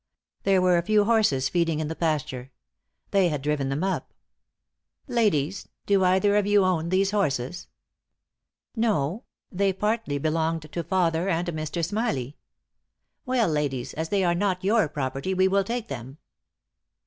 There were a few horses feeding in the pasture. They had them driven up. 'Ladies, do either of you own these horses?' 'No; they partly belonged to father and Mr. Smilie!' 'Well, ladies, as they are not your property, we will take them!'"